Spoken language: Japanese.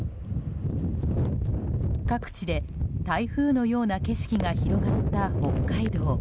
各地で台風のような景色が広がった北海道。